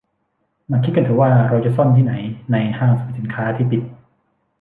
มาคิดกันเถอะว่าเราจะซ่อนที่ไหนในห้างสรรพสินค้าที่ปิด